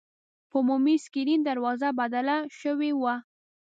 په عمومي سکرین دروازه بدله شوې وه.